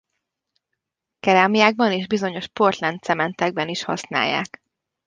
Kerámiákban és bizonyos Portland cementekben is használják.